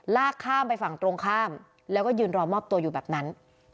ลากข้ามไปฝั่งตรงข้ามแล้วก็ยืนรอมอบตัวอยู่แบบนั้น